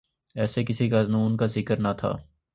ایسے کسی قانون کا ذکر نہ تھا۔